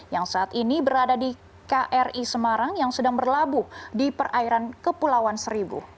yang saat ini berada di kri semarang yang sedang berlabuh di perairan kepulauan seribu